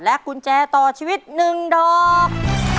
กุญแจต่อชีวิต๑ดอก